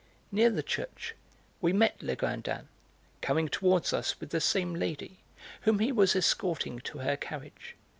Near the church we met Legrandin, coming towards us with the same lady, whom he was escorting to her carriage.